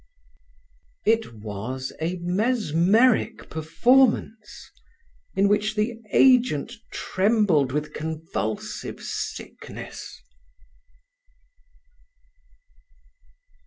It was a mesmeric performance, in which the agent trembled with convulsive sickness.